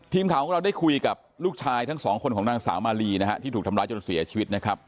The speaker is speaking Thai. ทีมข่าวของเราได้คุยกับลูกชายทั้งสองคนของนางสาวมาลีนะฮะที่ถูกทำร้ายจนเสียชีวิตนะครับ